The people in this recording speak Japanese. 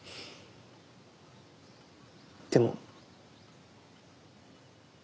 でも。